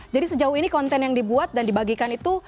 jadi sejauh ini konten yang dibuat dan dibagikan itu